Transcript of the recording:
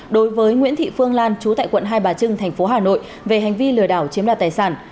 đối với nguyễn thị phương lan chú tại quận hai bà trưng thành phố hà nội về hành vi lừa đảo chiếm đoạt tài sản